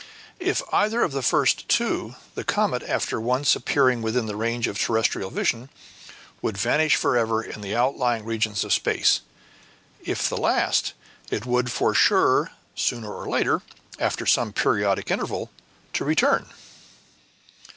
If either of the first two, the comet, after once appearing within the range of terrestrial vision, would vanish forever in the outlying regions of space; if the last, it would be sure, sooner or later, after some periodic interval, to return.